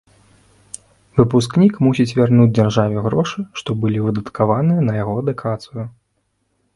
Выпускнік мусіць вярнуць дзяржаве грошы, што былі выдаткаваныя на яго адукацыю.